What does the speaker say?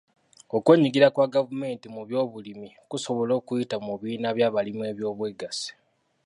Okwenyigira kwa gavumenti mu by'obulimi kusobola okuyita mu bibiina by'abalimi eby'obwegassi.